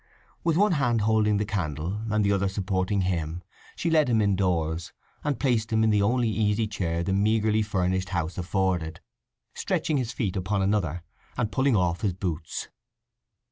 With one hand holding the candle and the other supporting him, she led him indoors, and placed him in the only easy chair the meagrely furnished house afforded, stretching his feet upon another, and pulling off his boots.